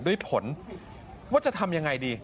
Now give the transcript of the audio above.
ด้วยผลว่าจะทำยังไงดี